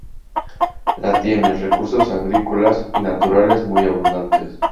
La tiene recursos agrícolas y naturales muy abundantes.